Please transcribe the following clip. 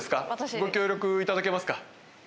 ご協力いただけますか？